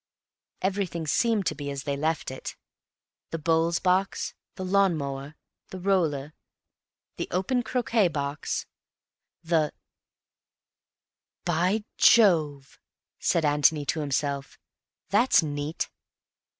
Everything seemed to be as they left it. The bowls box, the lawn mower, the roller, the open croquet box, the— "By Jove!" said Antony to himself, "that's neat."